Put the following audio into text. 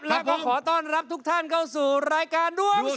แล้วก็ขอต้อนรับทุกท่านเข้าสู่รายการดวง